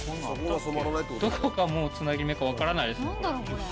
どこがもうつなぎ目かわからないですね。